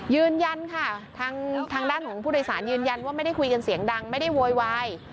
ยืนยันค่ะทางด้านของผู้โดยสารยืนยันว่าไม่ได้คุยกันเสียงดังไม่ได้โวยวาย